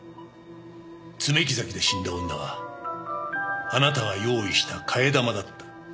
爪木崎で死んだ女はあなたが用意した替え玉だった。